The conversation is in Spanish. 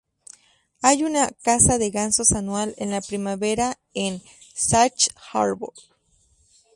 Hay una caza de gansos anual en la primavera en Sachs Harbour.